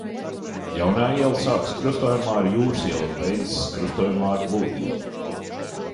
Jaunā iela sākas krustojumā ar Jūras ielu un beidzas krustojumā ar Plūdu ielu.